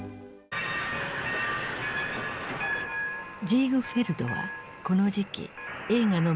ジーグフェルドはこの時期映画の都